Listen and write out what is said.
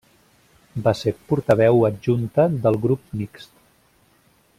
Va ser portaveu adjunta del Grup Mixt.